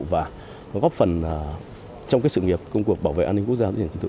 và góp phần trong sự nghiệp công cuộc bảo vệ an ninh quốc gia tuyển truyền truyền thức